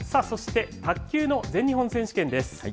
そして卓球の全日本選手権です。